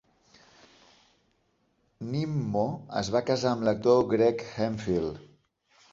Nimmo es va casar amb l"actor Greg Hemphill.